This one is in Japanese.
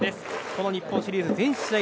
この日本シリーズ全試合